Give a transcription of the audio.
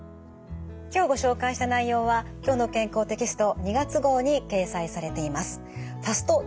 今日ご紹介した内容は「きょうの健康」テキスト２月号に掲載されています。